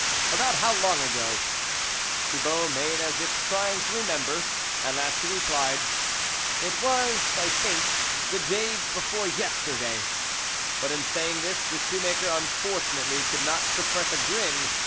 " About how long ago ?" Thibault made as if trying to remember ; at last he replied :" It was, I think, the day before yes terday," but in saying this, the shoe maker, unfortunately, could not suppress a grin.